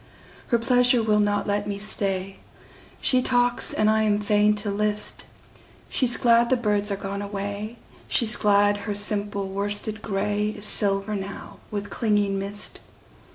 Her pleasure will not let me stay. She talks and I am fain to list:She's glad the birds are gone away, She's glad her simple worsted grayIs silver now with clinging mist.